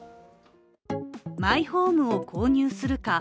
マイホームを購入するか。